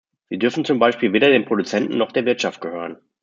Sie dürfen zum Beispiel weder den Produzenten noch der Wirtschaft gehören.